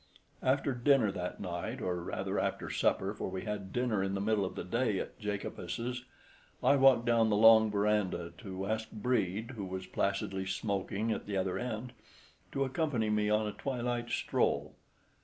After dinner that night—or rather, after supper, for we had dinner in the middle of the day at Jacobus's—I walked down the long verandah to ask Brede, who was placidly smoking at the other end, to accompany me on a twilight stroll.